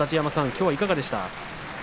きょうはいかがでした？